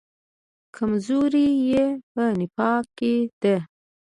کمزوري یې په نفاق کې ده.